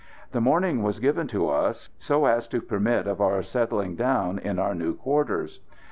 The morning was given to us, so as to permit of our settling down in our new quarters.